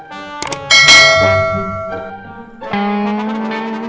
pasti duitnya dia ambil